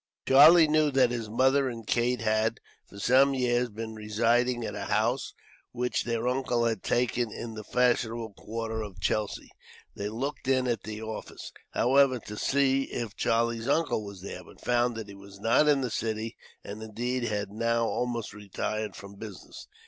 Charlie knew that his mother and Kate had, for some years, been residing at a house which their uncle had taken, in the fashionable quarter of Chelsea. They looked in at the office, however, to see if Charlie's uncle was there; but found that he was not in the city, and, indeed, had now almost retired from the business.